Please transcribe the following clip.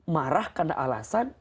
marah karena alasan